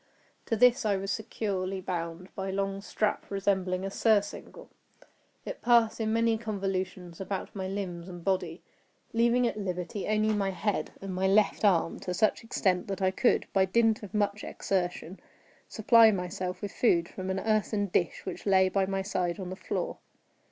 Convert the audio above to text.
To this I was securely bound by a long strap resembling a surcingle. It passed in many convolutions about my limbs and body, leaving at liberty only my head, and my left arm to such extent that I could, by dint of much exertion, supply myself with food from an earthen dish which lay by my side on the floor.